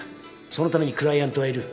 そのためにクライアントはいる